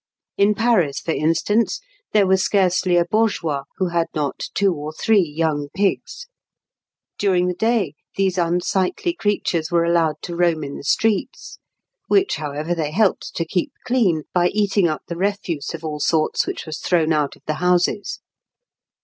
In Paris, for instance, there was scarcely a bourgeois who had not two or three young pigs. During the day these unsightly creatures were allowed to roam in the streets; which, however, they helped to keep clean by eating up the refuse of all sorts which was thrown out of the houses.